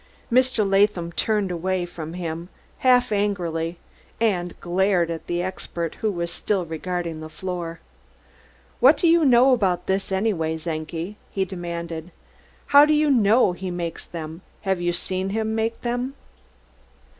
Mr. Latham turned away from him, half angrily, and glared at the expert, who was still regarding the floor. "What do you know about this, anyway, Czenki?" he demanded. "How do you know he makes them? Have you seen him make them?"